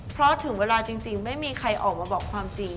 เพราะถึงเวลาจริงไม่มีใครออกมาบอกความจริง